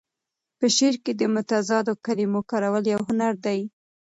په شعر کې د متضادو کلمو کارول یو هنر دی.